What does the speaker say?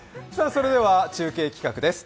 それでは中継企画です。